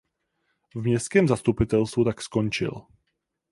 V městském zastupitelstvu tak skončil.